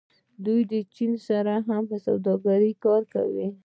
دوی له چین سره هم سوداګري کوي.